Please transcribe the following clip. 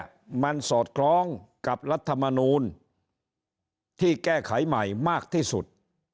ว่ามันสอดคล้องกับรัฐมนูลที่แก้ไขใหม่มากที่สุด